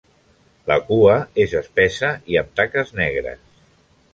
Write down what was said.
La cua és espessa i amb taques negres.